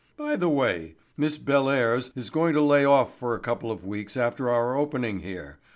By the way, Miss Bellairs is going to lay off for a couple of weeks after our opening here.